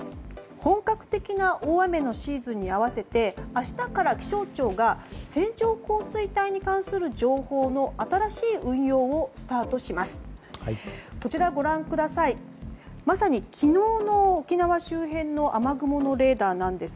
本格的な大雨のシーズンに合わせて明日から気象庁が線状降水帯に関する情報も新しい運用をスタートします。